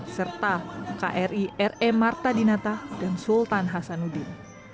serta kri r e marta dinata dan sultan hasanuddin